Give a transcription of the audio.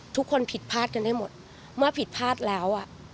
ทุกคนผิดพลาดกันได้หมดเมื่อผิดพลาดแล้ว